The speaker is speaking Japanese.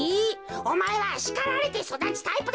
おまえはしかられてそだつタイプだ。